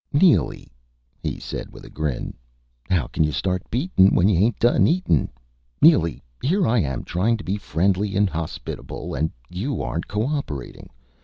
"Neely," he said with a grin, "how can you start beatin', when you ain't done eatin'? Neely here I am, trying to be friendly and hospitable, and you aren't co operating.